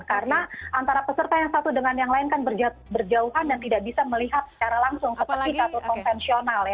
karena antara peserta yang satu dengan yang lain kan berjauhan dan tidak bisa melihat secara langsung seperti catur konvensional ya